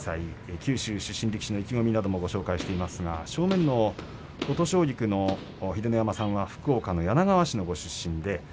九州出身力士の意気込みなどもご紹介していますが正面の琴奨菊の秀ノ山さんは福岡の柳川市の出身。